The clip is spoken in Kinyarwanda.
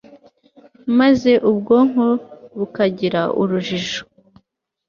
maze ubwonko bukagira urujijo